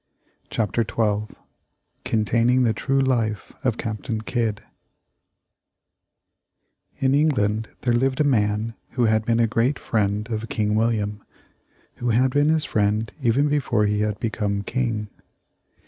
CHAPTER XII CONTAINING the TRUE LIFE of CAPTAIN KIDD In England there lived a man who had been a great friend of King William; who had been his friend even before he had become King.